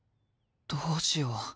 どうしよう。